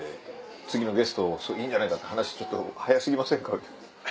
次のゲストそれいいんじゃないって話ちょっと早過ぎませんか？